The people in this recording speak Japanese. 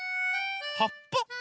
はっぱ？